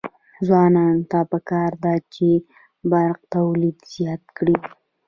ځوانانو ته پکار ده چې، برق تولید زیات کړي.